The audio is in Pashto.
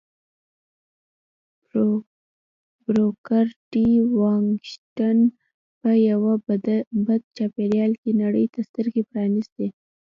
بروکر ټي واشنګټن په یوه بد چاپېريال کې نړۍ ته سترګې پرانيستې